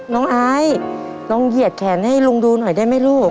ไอซ์ลองเหยียดแขนให้ลุงดูหน่อยได้ไหมลูก